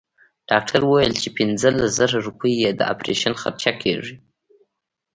ډاکټر وويل چې پنځلس زره روپۍ يې د اپرېشن خرچه کيږي.